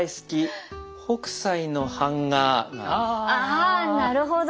ああなるほど。